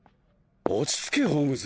落ち着けホームズ。